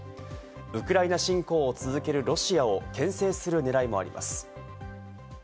ウクライナ侵攻を続けるロシアをけん制する狙いもあります。